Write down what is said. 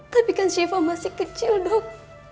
tapi kan siva masih kecil dok